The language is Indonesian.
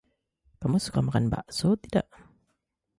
Kamu suka makan bakso, tidak?